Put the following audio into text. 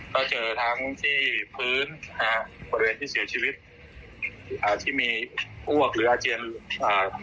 ก็เจอทั้งที่พื้นฮะบริเวณที่เสียชีวิตอ่าที่มีอ้วกหรืออาเจียนอ่า